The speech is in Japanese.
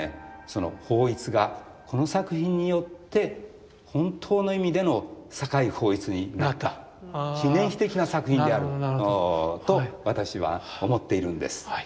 その抱一がこの作品によって本当の意味での酒井抱一になった記念碑的な作品であると私は思っているんです。